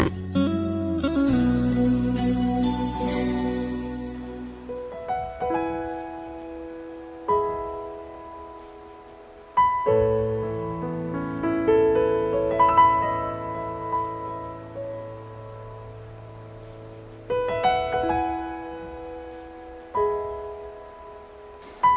แล้วใช่ละตรวจจะได้